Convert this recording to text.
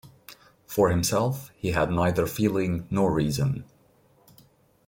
For himself, he had neither feeling nor reason.